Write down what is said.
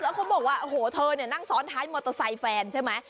แล้วเขาบอกว่าโอ้โหเธอเนี่ยนั่งซ้อนท้ายมอเตอร์ไซค์แฟนใช่ไหม